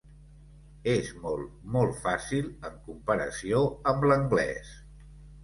És molt, molt fàcil en comparació amb l'anglès.